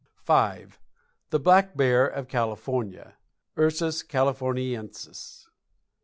V. THE BLACK BEAR OF CALIFORNIA. _Ursus Californiensis.